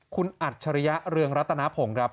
คุณอัศจริยาเรืองรัตนาผงครับ